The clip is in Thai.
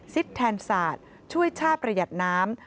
ซิทธ์แทนสาดช่วยชาติประหยัดน้ำ